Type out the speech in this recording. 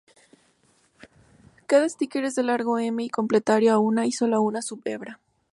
Cada sticker es de largo "m" y complementario a una y sólo una sub-hebra.